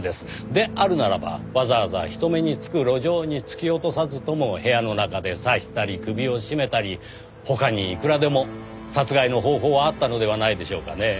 であるならばわざわざ人目につく路上に突き落とさずとも部屋の中で刺したり首を絞めたり他にいくらでも殺害の方法はあったのではないでしょうかねぇ。